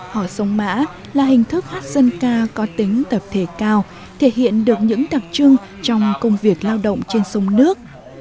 hò sông mã là hình thức hát dân ca có tính tập thể cao thể hiện được những đặc trưng trong công việc lao động trên sông nước